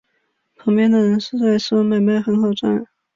旁边的人在说买卖很好赚